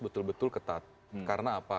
betul betul ketat karena apa